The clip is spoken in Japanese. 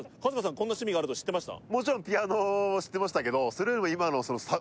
こんな趣味があると知ってました？